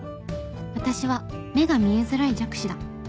私は目が見えづらい弱視だ